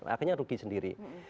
akhirnya rugi sendiri